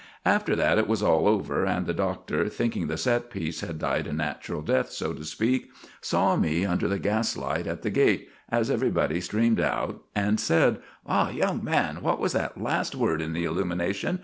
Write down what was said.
After that it was all over, and the Doctor, thinking the set piece had died a natural death, so to speak, saw me under the gas light at the gate, as everybody streamed out, and said: "Ah, young man, what was that last word in the illumination?